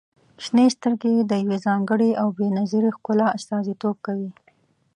• شنې سترګې د يوې ځانګړې او بې نظیرې ښکلا استازیتوب کوي.